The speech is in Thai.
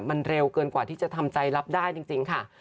มันเร็วเกินกว่าที่จะทำใจรับได้จริงค่ะ